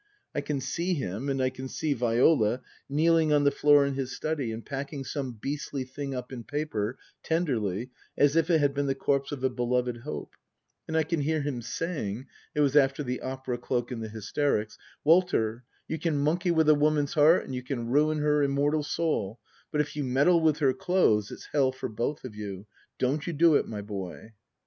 I can see him, and I can see Viola, kneeling on the floor in his study and packing some beastly thing up in paper, tenderly, as if it had been the corpse of a beloved hope ; and I can hear him saying (it was after the opera cloak and the hysterics), " Walter, you can monkey with a woman's 'eart, and you can ruin her immortal soul, but if you meddle with her clothes it's hell for both of you. Don't you do it, my boy."